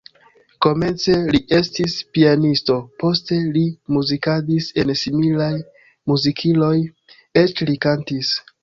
Komence li estis pianisto, poste li muzikadis en similaj muzikiloj, eĉ li kantis.